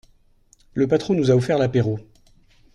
Le patron nous a offert l'apéro.